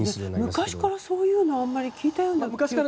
昔からそういうのあまり聞いたようには。